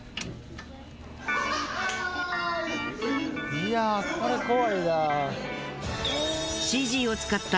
いやこれ怖いな。